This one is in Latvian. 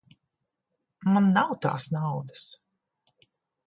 Man nav tās naudas.